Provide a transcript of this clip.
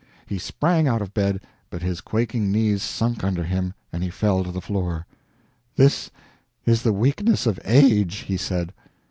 He sprang out of bed, but his quaking knees sunk under him and he fell to the floor. "This is the weakness of age," he said.